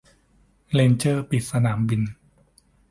เรนเจอร์ปิดสนามบิน